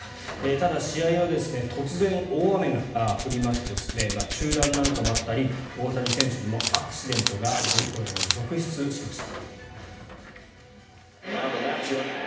ただ、試合は突然、大雨が降りまして中断なんかもあったり大谷選手にもアクシデントが続出しました。